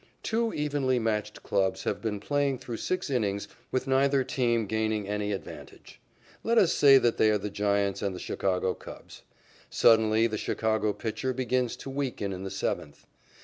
Two evenly matched clubs have been playing through six innings with neither team gaining any advantage. Let us say that they are the Giants and the Chicago Cubs. Suddenly the Chicago pitcher begins to weaken in the seventh.